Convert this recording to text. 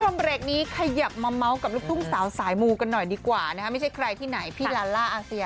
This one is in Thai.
เบรกนี้ขยับมาเมาส์กับลูกทุ่งสาวสายมูกันหน่อยดีกว่านะคะไม่ใช่ใครที่ไหนพี่ลาล่าอาเซีย